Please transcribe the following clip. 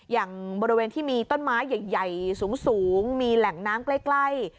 อย่างบริเวณที่มีต้นไม้ใหญ่สูงมีแหล่งน้ำใกล้